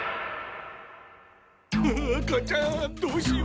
ああ母ちゃんどうしよう？